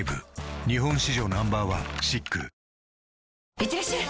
いってらっしゃい！